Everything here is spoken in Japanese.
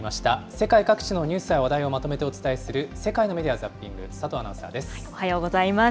世界各地のニュースや話題をまとめてお伝えする世界のメディア・ザッピング、おはようございます。